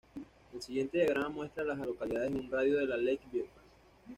El siguiente diagrama muestra a las localidades en un radio de de Lake View.